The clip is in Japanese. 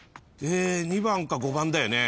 ２番か５番だよね。